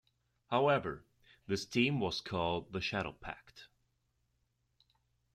However, this team was called the Shadowpact.